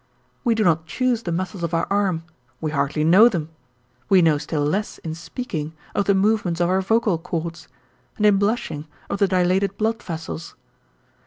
We do not choose the muscles of our arm, we hardly know them; we know still less in speaking, of the movements of our vocal cords, and in blushing of the dilated blood vessels.